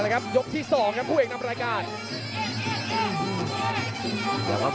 กระโดยสิ้งเล็กนี่ออกกันขาสันเหมือนกันครับ